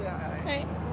はい。